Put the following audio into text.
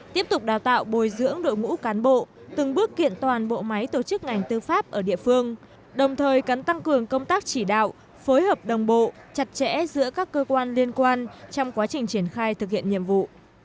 tiếp tục đào tạo bồi dưỡng đội ngũ cán bộ từng bước kiện toàn bộ máy tổ chức ngành tư pháp ở địa phương đồng thời cần tăng cường công tác chỉ đạo phối hợp đồng bộ chặt chẽ giữa các cơ quan liên quan trong quá trình triển khai thực hiện nhiệm vụ